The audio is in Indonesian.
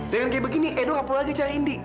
dengan kayak begini edo gak perlu lagi cari indi